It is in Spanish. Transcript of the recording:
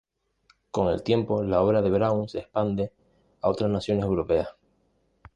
Con el tiempo la obra de Braun se expande a otras naciones europeas.